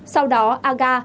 sau đó aga